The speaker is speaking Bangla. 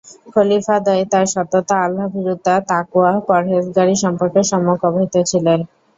খলীফাদ্বয় তার সততা, আল্লাহভীরুতা, তাকওয়া-পরহেযগারী সম্পর্কে সম্যক অবহিত ছিলেন।